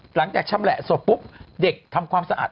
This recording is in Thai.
หลังจากชำแหละศพปุ๊บเด็กทำความสะอาด